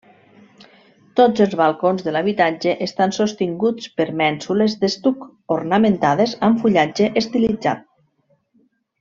Tots els balcons de l'habitatge estan sostinguts per mènsules d'estuc ornamentades amb fullatge estilitzat.